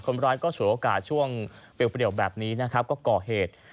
คนร้ายก็ฉวยโอกาสช่วงเปรียวแบบนี้นะครับก็ก่อเหตุ